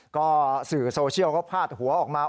ก็สื่อโซเชียลเขาพาดหัวออกมา